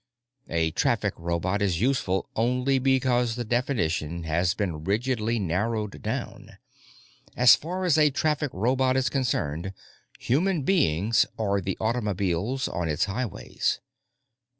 A traffic robot is useful only because the definition has been rigidly narrowed down. As far as a traffic robot is concerned, "human beings" are the automobiles on its highways.